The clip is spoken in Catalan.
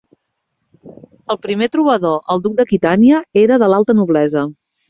El primer trobador, el Duc d'Aquitània, era de l'alta noblesa.